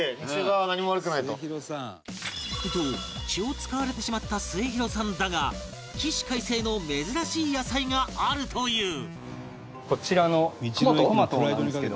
と気を使われてしまった末廣さんだが起死回生の珍しい野菜があるという